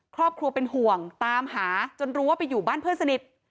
ครอบครัวเป็นห่วงตามหาจนรู้ว่าไปอยู่บ้านเพื่อนสนิท